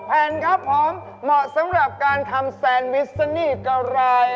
แผ่นครับผมเหมาะสำหรับการทำแซนวิสนี่กะไร